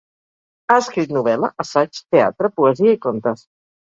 Ha escrit novel·la, assaig, teatre, poesia i contes.